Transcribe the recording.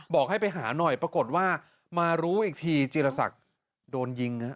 บอกให้ไปหาหน่อยปรากฏว่ามารู้อีกทีจีรศักดิ์โดนยิงฮะ